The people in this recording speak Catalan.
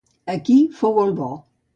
Aquí fou el bo.